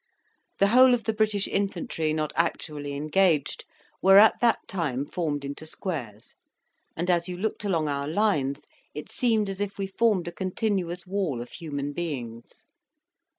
The whole of the British infantry not actually engaged were at that time formed into squares; and as you looked along our lines, it seemed as if we formed a continuous wall of human beings.